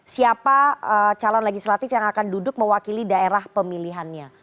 siapa calon legislatif yang akan duduk mewakili daerah pemilihannya